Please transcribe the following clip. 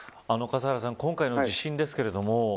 笠原さん、今回の地震ですけれども。